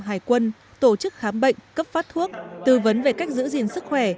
hải quân tổ chức khám bệnh cấp phát thuốc tư vấn về cách giữ gìn sức khỏe